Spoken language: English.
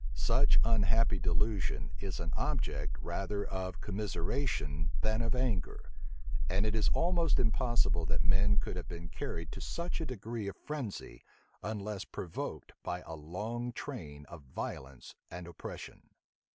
Such unhappy delusion is an object rather of commiseration than of anger: and it is almost impossible that men could have been carried to such a degree of frenzy, unless provoked by a long train of violence and oppression.